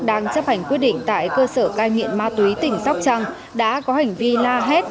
đang chấp hành quyết định tại cơ sở cai nghiện ma túy tỉnh sóc trăng đã có hành vi la hét